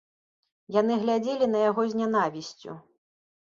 Яны глядзелі на яго з нянавісцю.